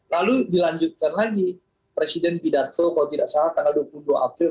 lalu dilanjutkan lagi presiden pidato kalau tidak salah tanggal dua puluh dua april